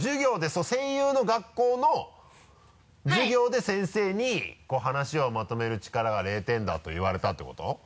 声優の学校の授業で先生に話をまとめる力が０点だと言われたってこと？